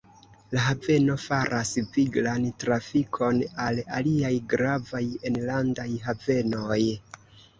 La haveno faras viglan trafikon al aliaj gravaj enlandaj havenoj.